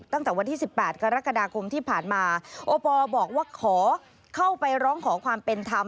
ตั้งแต่วันที่๑๘กรกฎาคมที่ผ่านมาโอปอลบอกว่าขอเข้าไปร้องขอความเป็นธรรม